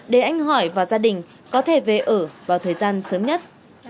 để anh hỏi và gia đình có thể về ở vào thời gian sớm nhất